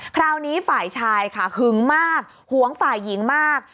คราวนี้ฝ่ายชายค่ะหึงมากหวงฝ่ายหญิงมาก